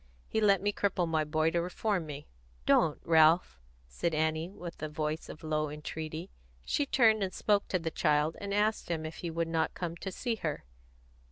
He let me cripple my boy to reform me." "Don't, Ralph!" said Annie, with a voice of low entreaty. She turned and spoke to the child, and asked him if he would not come to see her.